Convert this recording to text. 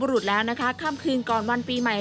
รุดแล้วนะคะค่ำคืนก่อนวันปีใหม่